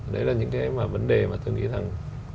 đấy là những cái mà vấn đề mà tôi nghĩ rằng